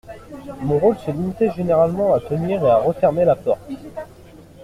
Mon rôle se limitait généralement à tenir et refermer la porte.